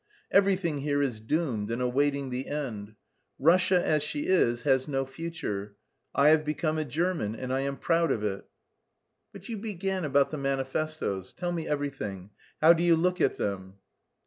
Everything here is doomed and awaiting the end. Russia as she is has no future. I have become a German and I am proud of it." "But you began about the manifestoes. Tell me everything; how do you look at them?"